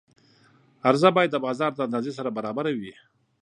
عرضه باید د بازار د اندازې سره برابره وي.